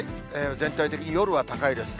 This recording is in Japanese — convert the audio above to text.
全体的に夜は高いですね。